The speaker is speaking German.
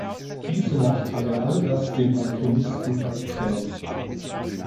Diese Nacht hat er all das dem Alchemisten erzählt.